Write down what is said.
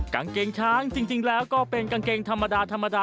กางเกงช้างจริงแล้วก็เป็นกางเกงธรรมดาธรรมดา